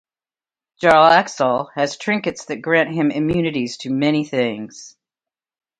Jarlaxle has trinkets that grant him immunities to many things.